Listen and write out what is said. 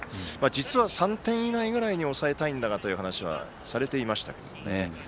実は、３点以内ぐらいに抑えたいんだがという話はされていました。